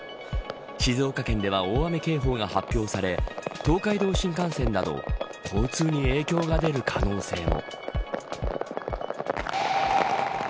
静岡県では大雨警報が発表され東海道新幹線など交通に影響が出る可能性も。